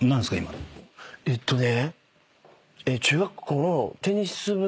えっとね。